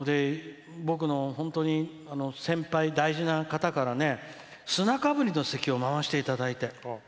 僕の本当に先輩、大事な方から砂被りの席を回していただいて。